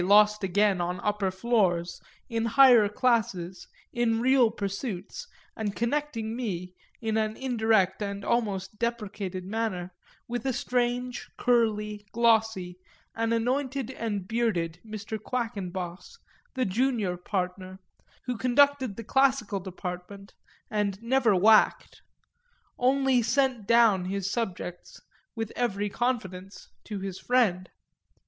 lost again on upper floors, in higher classes, in real pursuits, and connecting me, in an indirect and almost deprecated manner, with a strange, curly, glossy, an anointed and bearded, Mr. Quackenboss, the junior partner, who conducted the classical department and never whacked only sent down his subjects, with every confidence, to his friend.